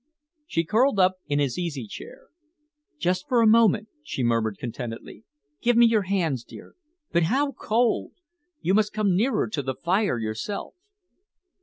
She curled up in his easy chair. "Just for a moment," she murmured contentedly. "Give me your hands, dear. But how cold! You must come nearer to the fire yourself."